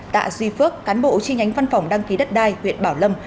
tạ duy phước cán bộ chi nhánh văn phòng đăng ký đất đai huyện bảo lâm